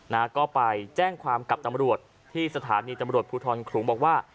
นะก็ไปแจ้งความกับตำรวจที่สถานีตำรวจภูทรขลุงบอกว่า